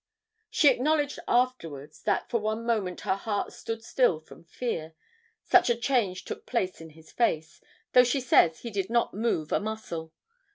She acknowledged afterwards, that for one moment her heart stood still from fear, such a change took place in his face, though she says he did not move a muscle.